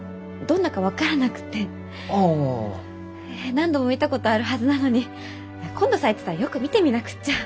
何度も見たことあるはずなのに今度咲いてたらよく見てみなくっちゃ。